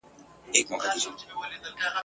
په دربار کي د زمري پاچا مېلمه سو !.